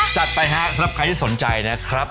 จัดไปฮะสำหรับใครที่สนใจนะครับ